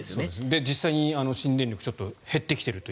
実際に新電力は減ってきているという。